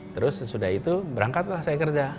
terus sesudah itu berangkatlah saya kerja